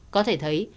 có thể thấy